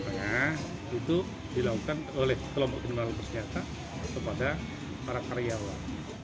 itu dilakukan oleh kelompok penyelamatan bersenjata kepada para karyawan